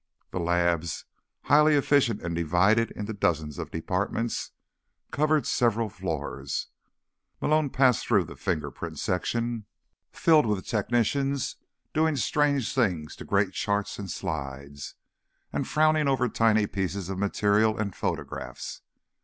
The labs, highly efficient and divided into dozens of departments, covered several floors. Malone passed through the Fingerprint section, filled with technicians doing strange things to great charts and slides, and frowning over tiny pieces of material and photographs.